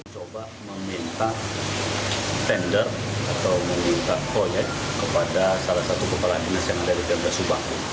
coba meminta tender atau meminta proyek kepada salah satu kepala dinas yang ada di pmk subang